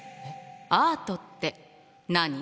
「アートって何？」。